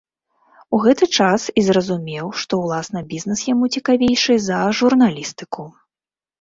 У гэты час і зразумеў, што ўласна бізнэс яму цікавейшы за журналістыку.